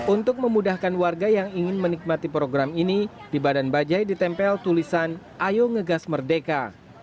untuk memudahkan warga yang ingin menikmati program ini di badan bajai ditempel tulisan ayo ngegas merdeka